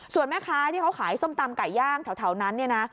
ส่วนแม่ค้าที่เขาขายส้มตำไก่ย่างแถวนั้นเนี่ยนะ